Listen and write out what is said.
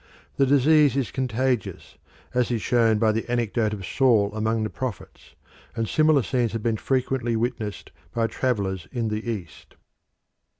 The disease is contagious, as is shown by the anecdote of Saul among the prophets, and similar scenes have been frequently witnessed by travellers in the East.